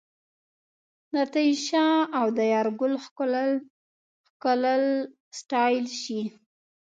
د تېشه او د یارګل ښکلل ستایل سي